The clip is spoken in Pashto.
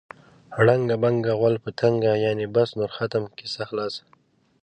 ړنګه بنګه غول په تنګه. یعنې بس نور ختم، کیسه خلاصه.